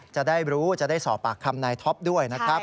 จะได้รู้จะได้สอบปากคำนายท็อปด้วยนะครับ